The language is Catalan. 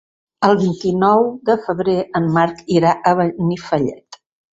El vint-i-nou de febrer en Marc irà a Benifallet.